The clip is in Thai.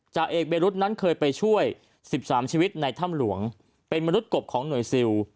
จากเอกเบรุษนั้นเคยไปช่วย๑๓ชีวิตในถ้ำหลวงเป็นมนุษย์กบของหน่วยซิล